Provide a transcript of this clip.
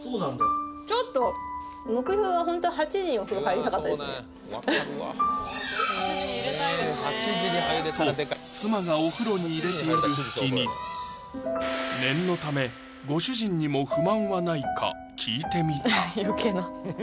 めっちゃそうなんだよちょっと！と妻がお風呂に入れている隙に念のためご主人にも不満はないか聞いてみた